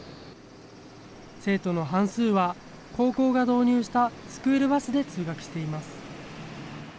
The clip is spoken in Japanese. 生徒の半数は高校が導入したスクールバスで通学しています。